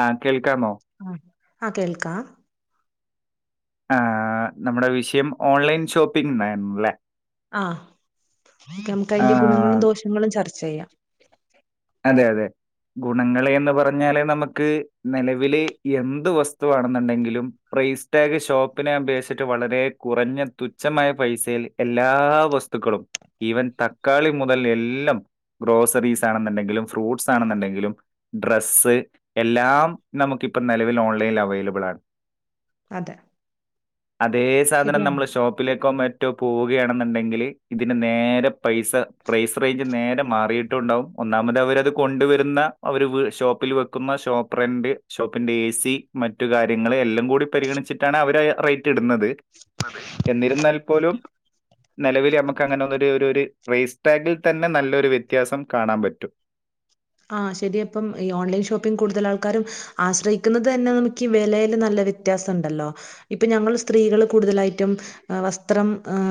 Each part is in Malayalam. ആഹ് കേൾക്കാമോ ആഹ് ആഹ് കേൾക്കാം ആഹ് നമ്മുടെ വിഷയം ഓൺലൈൻ ഷോപ്പിംഗ് ന്നായിരുന്നു ല്ലേ ആഹ് നമുക്ക് ആ, അതിന്റെ ഗുണങ്ങളും ദോഷങ്ങളും ചർച്ച ചെയ്യാം അതെ അതെ ഗുണങ്ങള് എന്ന് പറഞ്ഞാല് നമുക്ക് നിലവില് എന്ത് വസ്തുവാണെന്നുണ്ടെങ്കിലും പ്രൈസ് ടാഗ് ഷോപ്പിനെ അപേക്ഷിച്ചിട്ട് വളരെ കുറഞ്ഞ തുച്ഛമായ പൈസയിൽ എല്ലാ വസ്തുക്കളും ഈവൻ തക്കാളി മുതൽ എല്ലാം ഗ്രോസറീസ് ആണെന്നുണ്ടെങ്കിലും ഫ്രൂട്ട്സ് ആണെന്നുണ്ടെങ്കിലും ഡ്രസ്സ് എല്ലാം നമുക്കിപ്പം നിലവിൽ ഓൺലൈനിൽ അവൈലബിൾ ആണ് അതെ അതെ ശരിയാണ് നമ്മള് ഷോപ്പിലേക്കോ മ റ്റോ പോവുകയാണെന്നുണ്ടെങ്കിൽ ഇതിന് നേരെ പൈസ പ്രൈസ് റേഞ്ച് നേരെ മാറിയിട്ടും ഉണ്ടാവും ഒന്നാമത് അവരത് കൊണ്ടുവരുന്ന അവര് ഷോപ്പിൽ വെക്കുന്ന ഷോപ്പ് റെൻ്റ് ഷോപ്പിന്റെ എ സി മറ്റു കാര്യങ്ങൾ എല്ലാം കൂടി പരിഗണിച്ചിട്ടാണ് അവരാ റേറ്റ് ഇടുന്നത് എന്നിരുന്നാൽ പോലും നിലവിൽ നമുക്ക് അങ്ങനെ ഒന്നൊരു ഒരു ഒരു പ്രൈസ്സ് ടാഗിൽ തന്നെ നല്ലൊരു വ്യത്യാസം കാണാൻ പ റ്റും ആഹ് ശരിയാ ഇപ്പം ഈ ഓൺലൈൻഷോപ്പിംഗ് കൂടുതൽ ആൾക്കാരും ആശ്രയിക്കുന്നത് തന്നെ നമുക്ക് വെലേൽ നല്ല വ്യത്യാസം ഉണ്ടല്ലോ ഇപ്പം ഞങ്ങള് സ്ത്രീകള് കൂടുതലായിട്ടും വസ്ത്രം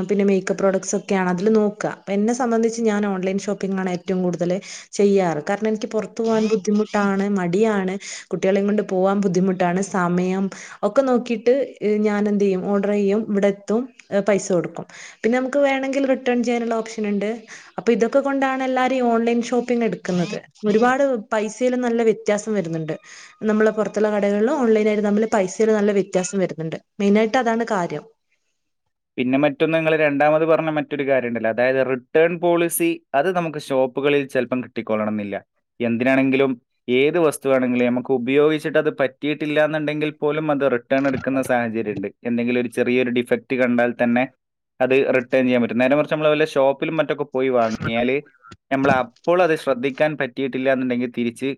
പിന്നെ മേക്കപ്പ് പ്രോഡക്ട്സ് ഒക്കെയാണ് അതിൽ നോക്കുക എന്നെ സംബന്ധിച്ച് ഞാൻ ഓൺലൈൻ ഷോപ്പിംഗ് ആണ് ഏ റ്റവും കൂടുതല് ചെയ്യാറ് കാരണം എനിക്ക് പുറത്ത് പോകാൻ കാരണം ഇനിക്ക് ബുദ്ധിമുട്ടാണ് മടിയാണ് കുട്ടികളെയും കൊണ്ട് പോകാൻ ബുദ്ധിമുട്ടാണ് സമയം ഒക്കെ നോക്കിട്ട് ഞാന് എന്തെയ്യും ഓർഡർ ചെയ്യും ഇവിടെ എത്തും പൈസ കൊടുക്കും പിന്നെ നമുക്ക് വേമെങ്കിൽ റിട്ടേൺ ചെയ്യാനുള്ള ഓപ്ഷൻ ഉണ്ട് അപ്പൊ ഇതൊക്കെ കൊണ്ടാണ് എല്ലാരും ഓൺലൈ ഷോപ്പിംഗ് എടുക്ക ന്നത് ഒരുപാട് പൈസയിലും നല്ല വ്യത്യാസം വരുന്നുണ്ട് നമ്മളള് പുറത്തുള്ള കടകളിലും ഓൺലൈന ആയിട്ട് നമ്മള് പൈസൽ നല്ല വ്യത്യാസം വരുന്നുണ്ട് മെയിനായിട്ട് അതാണ് കാര്യം പിന്നെ മറ്റൊന്ന് നിങ്ങള് രണ്ടാമത് പറഞ്ഞ മറ്റൊരു കാര്യം ഉണ്ടല്ലോ അതായത് റിട്ടേൺ പോളിസി അത് നമുക്ക് ഷോപ്പുകളിൽ ചിലപ്പം കിട്ടിക്കൊള്ളണം എന്നില്ല എന്തിനാണെങ്കിലും ഏത് വസ്തുവാണെങ്കിലും നമുക്ക് ഉപയോഗിച്ചിട്ട അത് പറ്റിയിട്ടില്ല എന്നുണ്ടെങ്കിൽ പോലും അത് റി റിട്ടാൺ എടുന്ന സാഹചാര്യണ്ട് എന്തെങ്കിലും ഒരു ചെറിയൊരു ഡിഫക്ട് ഡിഫക്ട് കണ്ടാൽ തന്നെ അത് റിട്ടേൺ ചെയ്യാൻ പറ്റും നേരെമറിച്ച് നമ്മള് വല്ല ഷോപ്പിലും മറ്റൊക്കെ പോയി വാങ്ങിയാല് നമ്മൾ അപ്പോൾ അത് ശ്രദ്ധിക്കാൻ പറ്റ പറ്റിട്ടില്ലാന്ന്ണ്ടെങ്കിൽ തിരിച്ച്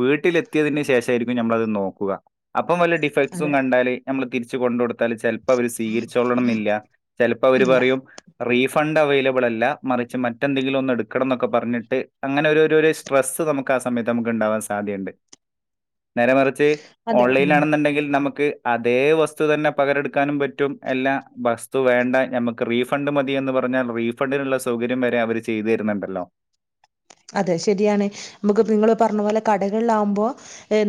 വീട്ടിലെത്തിയതിന് ശേഷമായിരിക്കും നമ്മളത് നോക്കുക അപ്പം വല്ല ഡിഫക്ട്സും അതെ കണ്ടാല് നമ്മള് തിരിച്ച് കൊണ്ട് കൊടുത്താല് ചലപ്പോ അവര് സ്വീകരി ച്ചോള്ളണമെന്നില്ല ചെലപ്പോ അവര് ഇല്ല പറയും റീഫണ്ട് അവൈലബിൾ അല്ല മറിച്ച് മറ്റെന്തെങ്കിലും ഒന്ന് എടുക്കണം എന്നൊക്കെ പറഞ്ഞിട്ട് അങ്ങനെ ഒരു ഒരു സ്ട്രസ്സ് നമുക്ക് ആ സമയത്ത് നമുക്ക് ഉണ്ടാവാൻ സാധ്യയുണ്ട് നേരമറിച്ച് അതെ ഓൺലൈൻ ഉം ആണന്നുണ്ടെങ്കിൽ നമുക്ക് അതേ വസ്തു തന്നെ പകരടുക്കാനും പറ്റും എല്ലാ വസ്തു വേണ്ട ഞമക്ക് റീഫണ്ട് മതി എന്ന് പറഞ്ഞാൽ റീഫണ്ടിനുള്ള സൗകര്യം വരെ അവര് ചെയ്തു തരുന്നുണ്ടല്ലോ അതെ ശരിയാണ് നമുക്ക് നിങ്ങള് പറഞ്ഞ പോലെ കടകള് ആവുമ്പോ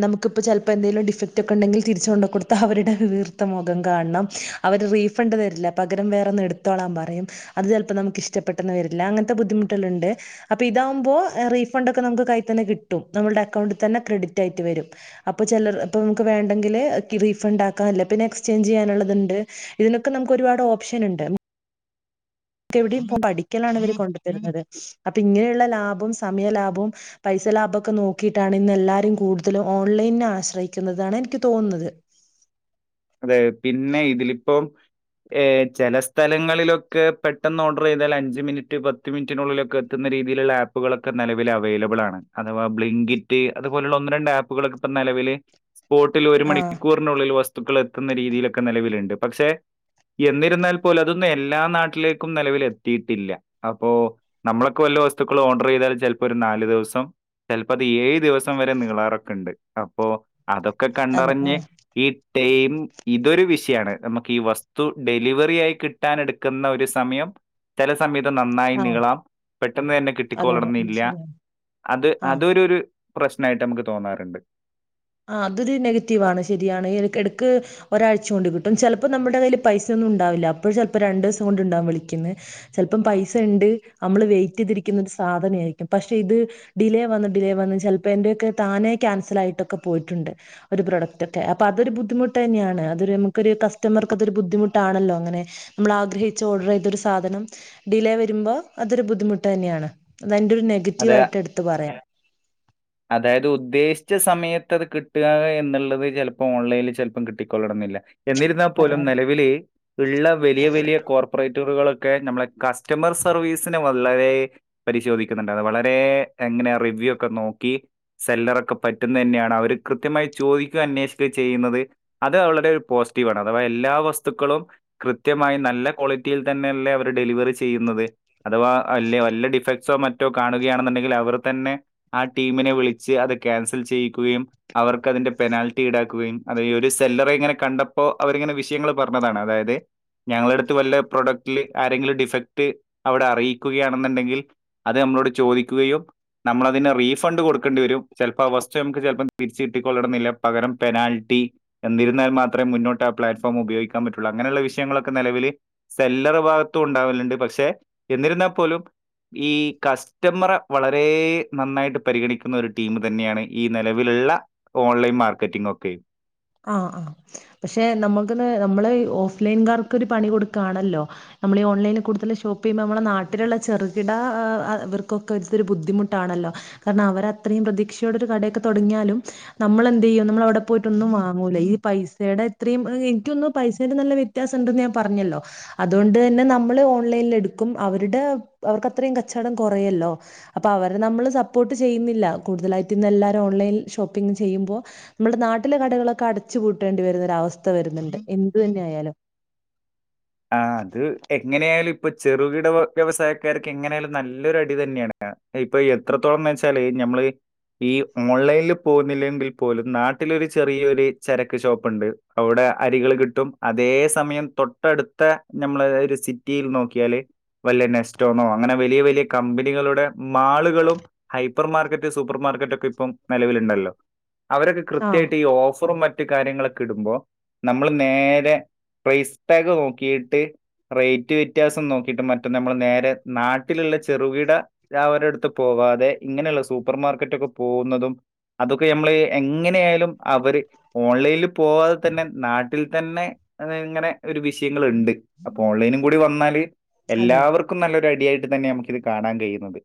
നമുക്കിപ്പോ ചലപ്പോന്തെലും ഡിഫക്റ്റ് ഒക്കെ ഉണ്ടെങ്കിൽ തിരിച്ചുകൊണ്ട കൊടുത്താ അവരുടെ വീർത്ത മുഖം കാണണം അവര് റീഫണ്ട് തരില്ല പകരം വേറെ ഒന്ന് എടുത്തോളാൻ പറയും അത് ചിലപ്പോം നമുക്ക് ഇഷ്ടപ്പെട്ടന്ന് വരില്ല അങ്ങനത്തെ ബദ്ധിമുട്ടുകൾണ്ട് അപ്പൊ ഇതാ മ്പോ റീഫണ്ട് ഒക്കെ നമുക്ക് കൈൽതന്നെ കിട്ടും നമ്മുടെ അക്കൗണ്ടിൽ തന്ന ക്രെഡി ആയിട്ട് വരും അപ്പൊ ചലർ ഇപ്പ നമുക്ക് വേണ്ടെങ്കില് റീഫണ്ട് ആക്കാ എല്ലേ പിന്നെ എക്സ്ചേഞ്ച് ചെയ്യാനുള്ളത്ണ്ട് ഇതിനൊക്കെ നമുക്ക് ഒരുപാട് ഓപ്ഷൻ ഉണ്ട് എവിടെ ഇപ്പ പടിക്കലാണ് അവര് കൊണ്ടുത്തരുന്നത് അപ്പൊ ഇങ്ങനെയുള്ള ലാഭവും സമയ ലാഭവും പൈസ ലാഭക്കെ നോക്കിയിട്ടാണ് ഇന്ന് എല്ലാരും കൂടുതലും ഓൺലൈൻ ആശ്രയിക്കുന്നതാണ് എനിക്ക് തോന്നുന്നത് അതെ പിന്നെ ഇതിലിപ്പം ഏ ചെല സ്ഥലങ്ങളിലൊക്കെ പെട്ടെന്ന് ഓർഡർ ചെയ്താൽ അഞ്ച് മിനിറ്റ് പത്ത് മിനിറ്റിനുള്ളിലൊക്കെ എത്തുന്ന രീതിയിലുള്ള ആപ്പ് ആപ്പുകളൊക്കെ നിലവിൽ അവൈലബിൾ ആണ് അഥവാ ബ്ലിങ്കിറ്റ് അതുപോലുള്ള ഒന്ന് രണ്ട് ആപ്പുകളൊക്കെ ഇപ്പ നലവില് സ്പോട്ടിൽ ആഹ് ഒരുമണിക്കൂർ നുള്ളിൽ വസ്തുക്കൾ എത്തുന്ന രീതിയില്ക്ക നിലവിലുണ്ട് പക്ഷെ എന്നിരുന്നാൽ പോലും അതൊന്നും എല്ലാ നാട്ടിലേക്കും നലവിൽ എത്തിയിട്ടില്ല അപ്പോ നമ്മളൊക്കെ വല്ല വസ്തുക്കളും ഓർഡർ ചെയ്താൽ ചലപ്പോ ഒരു നാല് ദവസം ചലപ്പോ അത് ഏഴ് ദിവസം വരെ നീളാറൊക്കെണ്ട് അപ്പോ അതൊക്കെ അതെ കണ്ടറിഞ്ഞ് ആഹ് ഈ ടൈം ഇതൊരു വിഷയാണ് നമുക്ക് ഈ വസ്തു ഡെലിവറി ആയി കിട്ടൻ എടുക്കുന്ന ഒരു സമയം ചെല സമയത് നന്നായി ആഹ് നീളാം പെട്ടെന്ന് തന്നെ അതെ അതെ കിട്ടിക്കോളണനില്ല ശരിയാണ് അത് ആഹ് അതൊരുരു പ്രശനായിട്ട് നമുക്ക് തോന്നാറുണ്ട് ആഹ് അതൊരു നെഗറ്റീവ് ആണ് ശരിയാണ് എടക്ക്ടക്ക് ഒരാഴ്ച കൊണ്ട് കിട്ടും ചലപ്പോ നമ്മുടെ കയ്യിൽ പൈസയൊന്നും ഉണ്ടാവില്ല അപ്പോ ചിലപ്പോ രണ്ട് ദിസം കൊണ്ട് ണ്ടാകും വിളിക്കിന്ന് ചലപ്പം പൈസണ്ട് നമ്മള് വെയിറ്റ് ചെയ്തിരിക്കുന്ന ഒരു സാധനായിരിക്കും പക്ഷെ ഇത് ഡിലേ വന്ന് ഡിലേ വന്ന് ചലപ്പോ എന്റെയൊക്കെ താനെ ക്യാൻസൽ ആയിട്ടൊക്കെ പോയിട്ടുണ്ട് ഒരു പ്രൊഡക്റ്റ് ഒക്കെ അപ്പൊ അതൊരു ബുദ്ധിമുട്ട് ന്നെയാണ് അത് നമുക്കൊരു കസ്റ്റമർക്ക് അതൊരു ബുദ്ധിമുട്ടാണല്ലോ അങ്ങനെ നമ്മള് ആഗ്രഹിച്ച് ഓർഡർ ചെയ്ത ഒരു സാധനം ഡിലേ വരുമ്പോ അതൊരു ബുദ്ധിമുട്ട് തന്നെയാണ് അത് അതിന്റെ ഒരു നെഗറ്റീവ് അത് ആയിട്ട് എടുത്ത് പറയാം അതായത് ഉദ്ദേശിച്ച സമയത്ത് അത് കിട്ടുക എന്നുള്ളത് ചിലപ്പോ ഓൺലൈനിൽ ചിലപ്പം കിട്ടിക്കൊള്ളണം എന്നില്ല എന്നിരുന്നാൽ പോലും അതാണ് നിലവില് ഉള്ള വലിയ വലിയ കോർപ്പറേറ്ററുകളൊക്കെ നമ്മളെ ക സ്റ്റമർ സർവീസിനെ വളരെ പരിശോധി ക്കുന്നുണ്ട് അത് വളരെ എങ്ങനെ റിവ്യൂ ഒക്കെ നോക്കി സെല്ലറൊക്കെ പറ്റുന്ന തന്നെയാണോ അവര് കൃത്യമായി ചോദിക്കയും അന്വേഷിക്കയും ചെയ്യുന്നത് അത് അവളടെ ഒരു പോസിറ്റീവ് ആണ് അഥവാ എല്ലാ വസ്തുക്കളും കൃത്യമായി നല്ല ക്വാളിറ്റിയിൽ തന്നെയല്ലേ അവര് ഡെലിവറി ചെയ്യുന്നത് അഥവാ വല്ല വല്ല ഡിഫക്ട്സോ മറ്റോ കാണുകയാണെന്നുണ്ടെങ്കിൽ അവർ തന്നെ ആഹ് ടീമിനെ വിളിച്ച് അത് ക്യാൻസൽ ചെയ്യിക്കുകയും അവർക്ക് അതിന്റെ പെനാൽറ്റി ഈടാക്കുകയും അത് ഒരു സെല്ലറെ ഇങ്ങനെ കണ്ടപ്പോ അവരിങ്ങനെ വിഷയങ്ങള് പറഞ്ഞതാണ് അതായത് ഞങ്ങടെ അടുത്ത് വല്ല പ്രോഡക്റ്റില് ആരെങ്കിലും ഡിഫക്ട് അവിടെ അറിയിക്കുകയാണെന്നുണ്ടെങ്കിൽ അത് നമ്മളോട് ചോദിക്കുകയും നമ്മളതിന് റീഫണ്ട് കൊടുക്കേണ്ടി വരും ചെലപ്പോ ആ വസ്തു നമുക്ക് ചെലപ്പം തിരിച്ച് കിട്ടിക്കൊള്ളണം എന്നില്ല പകരം പെനാൽറ്റി എന്നിരുന്നാൽ മാത്രേ മുന്നോട്ട് ആ പ്ലാറ്റ്ഫോം ഉപയോഗിക്കാൻ പറ്റുള്ളൂ അങ്ങനെയുള്ള വിഷയങ്ങളൊക്കെ നിലവില് സെല്ലറ് ഭാഗത്തും ഉണ്ടാവലുണ്ട് പക്ഷെ എന്നിരുന്നാ പോലും ഈ കസ്റ്റമറെ വളരെ നന്നായിട്ട് പരിഗണിക്കുന്ന ഒരു ടീമ് തന്നെയാണ് ഈ നെലവിലുള്ള ഓൺലൈൻ മാർക്കറ്റിംഗ് ഒക്കെയും ആഹ് ആഹ് പക്ഷെ നമ്മുക്കിന്ന് നമ്മള് ഓഫ് ലൈൻകാർക്കൊരു പണി കൊടുക്കാണല്ലോ നമ്മള് ഈ ഓൺലൈനി കൂടുതൽ ഷോപ്പ് ചെയ്യുമ്പോ നമ്മുടെ നാട്ടിലുള്ള ചെറുകിട ആ ഇവർക്കൊക്കെ ഒരുതരം ബുദ്ധിമുട്ടാണല്ലോ കാരണം അവരത്രയും പ്രതീക്ഷയോടെ ഒരു കടയൊക്കെ തൊടങ്ങിയാലും നമ്മള് എന്ത് ചെയ്യും നമ്മള് അവിടെ പോയിട്ട് ഒന്നും വാ ങ്ങൂല ഈ പൈസയുടെ ഇത്രയും എനിക്ക്‌ തോന്നുന്നു പൈസേടെ നല്ല വ്യത്യാസം ഉണ്ടെന്ന് ഞാൻ പറഞ്ഞല്ലോ അതുകൊണ്ട് തന്നെ നമ്മള് ഓൺലൈനില് എടുക്കും അവരുടെ അവർക്ക് അത്രയും കച്ചവടം കൊറയുവല്ലോ അപ്പൊ അവരെ നമ്മള് സപ്പോർട്ട് ചെയ്യുന്നില്ല കൂടുതലായിട്ട് ഇന്ന് എല്ലാരും ഓൺലൈനിൽ ഷോപ്പിംഗ് ചെയ്യുമ്പോ നമ്മുടെ നാട്ടിലെ കടകളൊക്കെ അടച്ചുപൂട്ടേണ്ടി വരുന്ന ഒരവസ്ഥ വരുന്നുണ്ട് എന്ത് തന്നെ ആയാലും ആഹ് അത് എങ്ങനെ ആയാലും ഇപ്പൊ ചെറുകിട വ്യ വ്യവസായക്കാർക്ക് എങ്ങനെയായാലും നല്ലൊരു അടി തന്നെയാണ് ഇപ്പൊ എത്രത്തോളം വെച്ചാല് ഞമ്മള് ഈ ഓൺലൈനിൽ പോകുന്നില്ലെങ്കിൽ പോലും നാട്ടിലൊരു ചെറിയൊരു ചരക്ക് ഷോപ്പ് ഉണ്ട് അവിടെ അരികള് കിട്ടും അതേ സമയം തൊട്ടടു ത്തെ നമ്മൾ ഒരു സിറ്റിയിൽ നോക്കിയാല് വലിയ നെസ്റ്റോന്നോ അങ്ങനെ വലിയ വലിയ കമ്പനികളുടെ മാളുകളും ഹൈപ്പർ മാർക്കറ്റ് സൂപ്പർ മാർക്കറ്റ് ഒക്കെ ഇപ്പം നിലവിലുണ്ടല്ലോ അവരൊക്കെ ആഹ് കൃത്യായിട്ട് ഈ ഓഫറും മ റ്റ് കാര്യങ്ങളൊക്കെ ഇടുമ്പോ നമ്മള് നേരെ പ്രെയ്സ് ടാഗ് നോക്കിയിട്ട് റേറ്റ് വ്യത്യാസം നോക്കിയിട്ട് മറ്റെ നമ്മള് നേരെ നാട്ടിലുള്ള ചെറുകിട വ്യാപാരികളുടെ അടുത്ത് പോകാതെ ഇങ്ങനെയുള്ള സൂപ്പർ മാർക്കറ്റൊക്കെ പോകുന്നതും അതൊക്കെ നമ്മള് എങ്ങനെ ആയാലും അവര് ഓൺലൈനിൽ പോവാതെ തന്നെ നാട്ടിൽ തന്നെ അത് ഇങ്ങനെ ഒരു വി ഷയങ്ങളുണ്ട് അപ്പൊ ഓൺലൈനും കൂടി വന്നാല് അതെ അതെ എല്ലാവർ ക്കും നല്ലൊരു ഐഡിയായിട്ട് തന്നെ നമുക്ക് ഇത് കാണാൻ കഴിയുന്നത്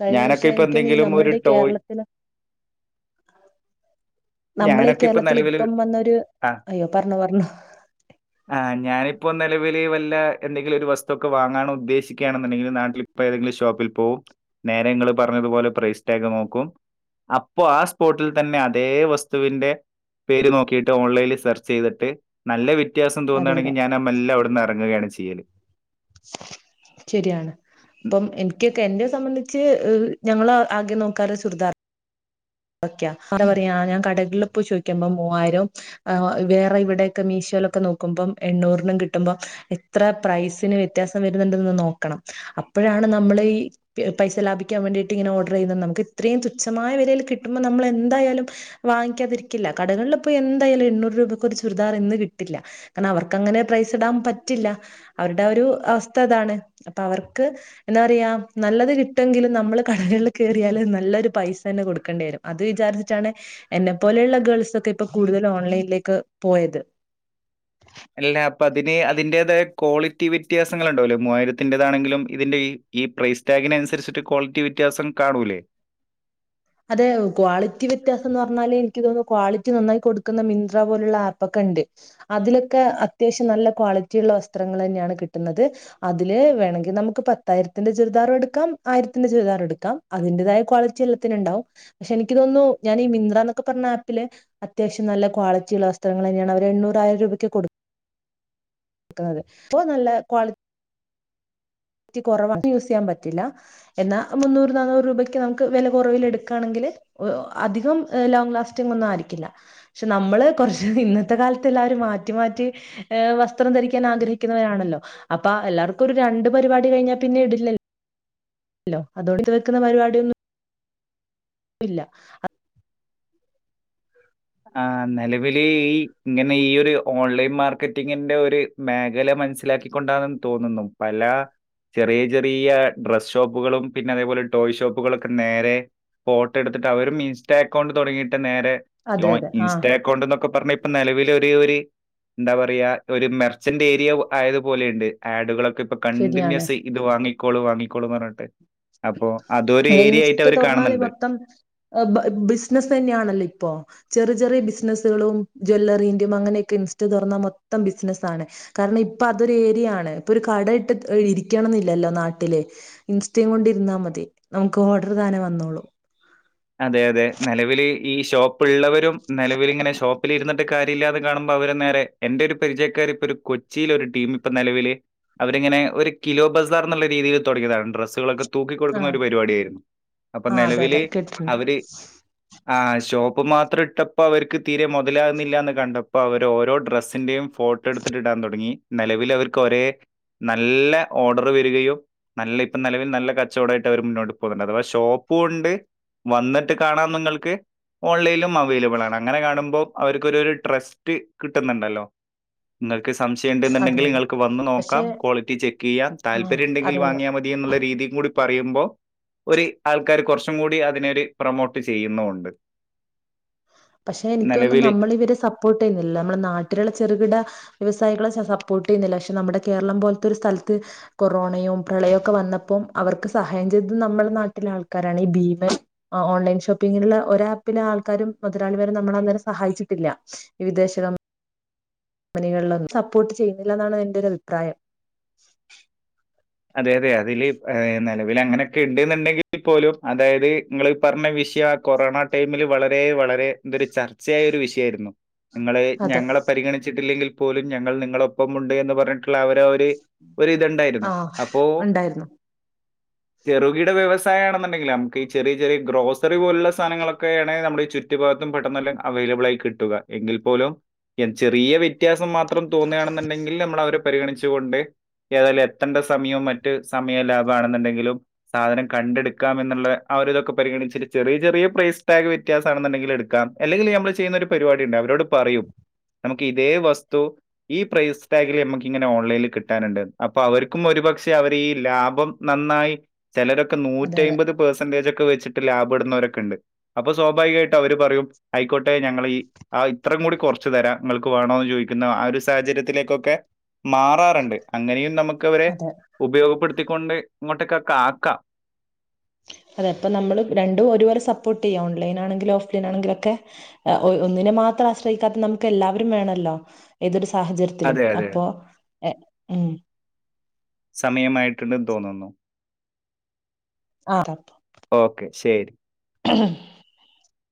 കഴിഞ്ഞ ഞാനൊക്കെ വർഷം ഇപ്പൊ എനിക്ക്‌ തോന്നുന്നു ഈ എന്തെങ്കിലും ഒരു നമ്മളുടെ ഈ ടോയ് കേരളത്തില് നമ്മടെ ഈ ഞാനൊക്കെ ഇപ്പൊ കേരളത്തില് നിലവിൽ ഇപ്പം വന്നൊരു അയ്യോ പറഞ്ഞോ പറഞ്ഞോ ആഹ് ഞാനിപ്പോ നിലവില് വല്ല എന്തെങ്കിലും ഒരു വസ്തു ഒക്കെ വാങ്ങാൻ ഉദ്ദേശിക്കുകയാണന്നുണ്ടെങ്കില് നാട്ടിൽ ഇപ്പ ഏതെങ്കിലും ഷോപ്പിൽ പോവും നേരെ നിങ്ങള് പറഞ്ഞതുപോലെ പ്രൈസ് ടാഗ് നോക്കും അപ്പൊ ആ, സ്പോട്ടിൽ തന്നെ അതേ വസ്തുവിന്റെ പേര് നോക്കി യിട്ട് ഓൺലൈനിൽ സെർച്ച് ചെയ്തിട്ട് നല്ല വ്യത്യാസം അതെ അതെ തോന്നുവാണെങ്കി ഞാന് മെല്ലെ അവിടുന്ന് എറങ്ങുകയാണ് ചെയ്യല്. ശരിയാണ്. ഉം. അപ്പം എനിക്കൊക്കെ എന്റെ സംബന്ധിച്ച് ഞങ്ങള് ആകെ നോക്കാറ് ചുരിദാർ ഓക്കെയാ. എന്താ പറയാ, ഞാൻ കടകളിൽ പോയി ചോയിക്കുമ്പം മൂവായിരോം ആ, വേറെ ഇവിടെയൊക്കെ മീശോലൊക്കെ, നോക്കുമ്പോം എണ്ണൂറിനും കിട്ടുമ്പം എത്ര പ്രൈസിന് വ്യത്യാസം വരുന്നുണ്ടന്ന് നോക്കണം. അപ്പോഴാണ് നമ്മൾ ഈ പൈസ ലാഭിക്കാൻ വേണ്ടിയിട്ട് ഇങ്ങനെ ഓഡർ ചെയ്യുന്നത്. നമുക്ക് ഇത്രയും തുച്ഛമായ വിലയിൽ കിട്ടുമ്പോ നമ്മൾ എന്തായാലും വാങ്ങിക്കാതിരിക്കില്ല. കടകളില് പൊയി എന്തായാലും എണ്ണൂറ് രൂപക്ക് ഒരു ചുരിദാർ ഇന്ന് കിട്ടില്ല. കാരണം, അവർക്കങ്ങനെ പ്രൈസ് ഇടാൻ പറ്റില്ല. അവരുടെ ഒരു അവസ്ഥ അതാണ്. അപ്പൊ അവർക്ക് എന്താ പറയാ, നല്ലത് കിട്ടുവെങ്കിലും നമ്മള് കടകളിൽ കയറിയാല് നല്ലൊരു പൈസ തന്നെ കൊടുക്കേണ്ടി വരും. അത് വിചാരിച്ചിട്ടാണ്. എന്നെ പോലെയുള്ള ഗേൾസ് ഒക്കെ ഇപ്പൊ കൂടുതലും ഓൺലൈനിലേക്ക് പോയത്. അല്ലാ അപ്പൊ അതിന് അതിന്റേതായ ക്വാളിറ്റി വ്യത്യാസങ്ങൾ ഉണ്ടാവല്ലോ, മൂവായിരത്തിന്റേതാണെങ്കിലും ഇതിന്റെ ഈ ഈ പ്രൈസ് ടാഗിനനുസരിച്ചിട്ട് ക്വാളിറ്റി വ്യത്യാസം കാണൂല്ലേ. അതെ ക്വാളിറ്റി വ്യത്യാസം എന്ന് പറഞ്ഞാല് എനിക്ക് തോന്നുന്നു. ക്വാളിറ്റി നന്നായി കൊടുക്കുന്ന മിത്ര പോലുള്ള ആപ്പൊക്കെ ഉണ്ട്. അതിലൊക്കെ അത്യാവശ്യം നല്ല ക്വാളിറ്റി ഉള്ള വസ്ത്രങ്ങൾ തന്നെയാണ് കിട്ടുന്നത്. അതില് വേണെങ്കി നമുക്ക് പത്തായിരത്തിന്റെ ചുരിദാറും എടുക്കാം. ആയിരത്തിന്റെ ചുരിദാർ എടുക്കാം. അതിന്റെതായ ക്വാളിറ്റി അൽ ണ്ടാവും പക്ഷെ എനിക്ക് തോന്നുന്നു ഞാൻഈ മിത്രന്നൊക്കെ പറഞ്ഞാപ്പില് അത്യാവശ്യം നല്ല ക്വാളിറ്റിയുള്ള വസ്ത്രങ്ങളന്നെയാണ് അവർ എണ്ണൂറായിരം രൂപക്ക് കൊടു കൊടുക്കുന്നത്. അപ്പോ നല്ല ക്വാളിറ്റി ക്വാളിറ്റികുറവാ. യൂസ് ചെയ്യാൻ പറ്റില്ല. എന്നാ മുന്നൂറ്, നാനൂറ്, രൂപയ്ക്ക് നമുക്ക് വില കുറവിലെ ടുക്കാണെങ്കിൽ അധികം ലോങ്ങ് ലാസ്റ്റിംഗന്നും ആയിരിക്കില്ല. പക്ഷെ നമ്മള് കുറച്ച് ഇന്നത്തെ കാലത്ത് എല്ലാരും മാറ്റി മാറ്റി വസ്ത്രം ധരിക്കാൻ ആഗ്രഹിക്കുന്നവരാണല്ലോ, അപ്പൊ എല്ലാവർക്കും ഒരു രണ്ട് പരിപാടി കഴിഞ്ഞാൽ പിന്നെ ഇടില്ല ഇടില്ലല്ലോ. അ, അതോട് ഇത് വെക്കുന്ന പരിപാടിയൊന്നും ഇല്ല. ആ, നിലവിൽ ഈ ഇങ്ങനെ ഈ ഒരു ഓൺലൈൻ മാർക്കറ്റിങ്ങിന്റെ ഒരു മേഖല മനസ്സിലാക്കിക്കൊണ്ടാണെന്ന് തോന്നുന്നു പല ചെറിയ ചെറിയ ഡ്രസ്സ് ഷോപ്പുകളും, പിന്നെ അതേപോലെ ടോയ് ഷോപ്പുകളൊക്കെ, നേരെ ഫോട്ടോ എടുത്തിട്ട് അവരും ഇൻസ്റ്റ അക്കൗണ്ട് തുടങ്ങിയിട്ട് നേരെ അതെ അതെ ആ ഇൻസ്റ്റാ അക്കൗണ്ട് എന്നൊക്കെ പറഞ്ഞ ഇപ്പൊ നിലവിലെ ഒരേഒര് എന്താ പറയ ഒരു മർച്ചൻ്റ്ഏരിയ ആയതു പോലെണ്ട്, ആടുകളൊക്കെ ഇപ്പൊ ശരിയാണ് കണ്ടിന്യൂസ് ഇത് വാങ്ങിക്കോളും വാങ്ങിക്കോളൂ പറഞ്ഞിട്ട്. അപ്പോ അതൊരു. ഏരിയായിട്ട് അവർ കാണുന്നുണ്ട്. ത്തം [unintelligible] ബിസിനസ്സ് ന്നെയാണല്ലോ, ഇപ്പം. ചെറിയ ചെറിയ ബിസിനസ്സുകളും, ജ്യല്ലറിന്റെ, അങ്ങനെക്കെ ഇൻസ്റ്റാ തുറന്നാ മൊത്തം ബിസിനസ്സാണ്. കാരണം. ഇപ്പൊതൊരു ഏരിയാണ്. ഇപ്പൊ ഒരു കട ഇട്ട് ഇരിക്കണംന്നില്ലല്ലോ നാട്ടില് ഇൻസ്റ്റാകൊണ്ടിരുന്നാൽ മതി. നമുക്ക് ഓർഡർ താനെ വന്നോള്ളും. അതെ അതെ, നിലവിൽ ഈ ഷോപ്പുള്ളവരും നിലവിലങ്ങനെ ഷോപ്പിലിരുന്നിട്ട് കാര്യല്ലാതെ കാണുമ്പോൾ അവർ നേരെ എന്റെ ഒരു പരിചയക്കാര്പ്പൊ ഒരു കൊച്ചിൽ ഒരു ടീംപ്പൊ നിലവില് അവരിങ്ങനെ ഒരു കിലോ ബസാർന്നുള്ള രീതിയിൽ തുടങ്ങിയതാണ്. ഡ്രസ്സുകളൊക്കെ തൂക്കി ആഹ് കൊടുക്കുന്നരു പരിപാടിയായിരുന്നു. അപ്പൊ ആ അതെ അതെ നിലവില് കേട്ടിട്ടുണ്ട് അവര് ആഹ് ഷോപ്പ് മാത്രട്ടപ്പോ അവർക്ക് തീരെ മുതലാകുന്നില്ലന്ന് കണ്ടപ്പോ അവർ ഓരോ ഡ്രസ്സിന്റെയും ഫോട്ടോ എടുത്തിട്ട് ഇടാൻ തുടങ്ങി നിലവില് അവർക്ക് ഒരേ നല്ല ഓർഡർ വരികയും നല്ല ഇപ്പം നിലവിൽ നല്ല കച്ചോടായിട്ട് അവർ മുന്നോട്ട് പോകുന്നുണ്ട് അതവാ ഷോപ്പുണ്ട് വന്നിട്ട് കാണാം ന്നിങ്ങൾക്ക് ഓൺലൈനിലും അവൈലിബിളാണ് അങ്ങനെ കാണുമ്പോൾ അവർക്കൊരു ട്രസ്റ്റ് കിട്ടുന്നുണ്ടല്ലോ ഇങ്ങൾക്ക് അതെ സംശയണ്ടെന്നുണ്ടങ്കിൽ അതെ ഇങ്ങക്ക് വന്ന് പക്ഷെ നോക്കാം ക്വാളിറ്റി ചെക്ക് ചെയ്യാം ആ താല്പര്യംണ്ടെങ്കിൽ അതെ അതെ വാങ്ങിയാ മതി ടി എന്നുള്ള രീതി കൂടി പറയുമ്പോൾ ഒരു ആൾക്കാര് കുറച്ചും കൂടി അതിനെ ത് പ്രൊമോട്ട് ചെയ്യുന്നുണ്ട് പക്ഷെ എനിക്കൊന്നും നമ്മൾ ഇവരെ സപ്പോർട്ട് ചെയ്യുന്നില്ല നമ്മുടെ നാട്ടിലുള്ള ചെറുകിട വ്യവസായികളെ സപ്പോർട്ടയ്യുന്നില്ല പക്ഷെ നമ്മുടെ കേരളം പോലത്തെ ഒരു സ്ഥലത്ത് കൊറോണയും പ്രളയൊക്കെ വന്നപ്പോ അവർക്ക് സഹായം ചെയ്തത് നമ്മളെ നാട്ടിലെ ആൾക്കാരാണ് ഈ ഭീമൻ ഓ ഓൺലൈൻ ഷോപ്പിങ്ങിനുള്ള ഒരാപ്പിലെ ആൾക്കാരും മുതലാളിമാരും നമ്മള അന്നേരം സഹായിച്ചിട്ടില്ല ഈ വിദേശ കമ്പ കമ്പനികളിലൊന്നും സപ്പോർട്ട് ചെയ്യുന്നില്ലെന്നാണ് എന്റെ ഒരു രഭിപ്രായം അതെ അതെ അതില് ഏഹ് നിലവിൽ അങ്ങനെയൊക്കെ ഇണ്ട്ന്ന്ണ്ടെങ്കിൽ പോലും അതായത് നിങ്ങൾ പറഞ്ഞ വിഷയാ കൊറോണ ടൈമില് വളരെ വളരെ ഇതൊരു ചർച്ചയായരു വിഷയായിരുന്നു നിങ്ങളെ അതെ ഞങ്ങൾ പരിഗണിച്ചിട്ടില്ലെങ്കിൽ പോലും ഞങ്ങൾ നിങ്ങളൊപ്പമുണ്ടന്ന് പറഞ്ഞിട്ട് അവര് ഒര് ഒരുഇത്ണ്ടായിരുന്നു ആഹ് അപ്പോ ഉണ്ടായിരുന്നു ചെറുകിട വ്യവസായാണെന്നുണ്ടെങ്കിൽ നമുക്ക് ചെറിയ ചെറിയ ഗ്രോസറി പോലുള്ള സാധനങ്ങളൊക്കെ ആഹ് ടെ നമ്മുടെ ചു റ്റ് ഭാഗത്തും പെട്ടെന്നല്ലാം അവൈലബിളായി കിട്ടുക എങ്കിൽ പോലും ചെറിയ വ്യത്യാസം മാത്രം ത്രം തോന്നാണ്ന്ന്ണ്ടെങ്കിൽ നമ്മള് അവരെ പരിഗണിച്ചുകൊണ്ട് ഏതാലെ എത്തണ്ട സമയും മറ്റു സമയം ലാഭാണെന്നുണ്ടെങ്കിലും സാധനം കണ്ട്ട്ക്കാം എന്നുള്ള ആഹ് ഒരിതൊക്കെ പരിഗണിച്ചൊര് ചെറിയ ചെറിയ പ്രൈസ് ട്ടാഗ് വെ വ്യത്യാസാണെന്നുണ്ടെങ്കിൽ എടുക്കാം അല്ലെങ്കിൽ നമ്മൾ ചെയ്യുന്ന ഒരു പരുവാടി ഉണ്ട് അവരോട് പറയും നമുക്ക് ഇതേ വസ്തു ഈ പ്രൈസ് ട്ടാഗിൽ നമുക്ക് ഇങ്ങനെ ഓൺലൈനിൽ കിട്ടാനുണ്ട്ന്ന് അഹ് അപ്പവര്ക്കും ഒരുപക്ഷെ അവര് ഈ ലാഭം നന്നായി ചെലരൊക്കെ അതെ അതെ നൂറ്റയ്മ്പത് പ പേഹ്‌സന്റേജൊക്കെ വെച്ച്ട്ട് ലാഭ ഇട്ന്ന വരെക്കെണ്ട് അപ്പൊ സ്വാഭാവികായിട്ട് അവര് പറയും അയ്ക്കോട്ടെ ഞങ്ങള് ഈ ആഹ് ഇത്രം കൂടി കൊർച്ച് തരാം ഇങ്ങൾക്ക് വേണോന്ന് ചോയ്ക്കുന്ന ആഹ് ഒരു സാഹജര്യത്തിലേക്കൊക്കെ മാറാറ്ണ്ട് അങ്ങനെയും നമ്മ ക്കവരെ അതെ ഉപയോഗപ്പെടുത്തിക്കൊണ്ട് ഇങ്ങോട്ടെക്കൊക്കെ ആക്കാം അതെ ഇപ്പൊ നമ്മള് രണ്ടും ഒരുപോലെ സപ്പോട്ടയ്യാം ഓൺലൈൻ ആണെങ്കിലും ഓഫ് ഓഫ്ലൈനാണെങ്കിലും ഒക്കെ ആഹ് ഒന്നിനെ മാത്രം ആശ്രയിക്കാത്ത നമുക്ക് എല്ലാവരും വേണല്ലോ ഏതൊരു സാഹജര്യത്തിലും അതെ അതെ അപ്പൊ എഹ് ഉം. സമയമായിട്ടുണ്ട് തോന്ന്ന്നു ആഹ് ഓക്കെ ഓക്കെ ശെരി [unintelligible]